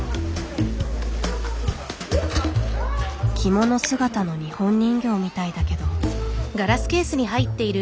着物姿の日本人形みたいだけど。